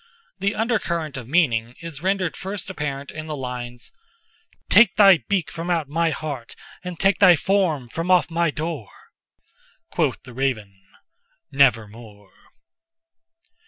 The undercurrent of meaning is rendered first apparent in the lines—"'Take thy beak from out my heart, and take thy form from off my door!'Quoth the Raven 'Nevermore!